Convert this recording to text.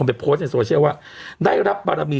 มีคนไปโพสต์ในโซเชียลว่าได้รับบราบี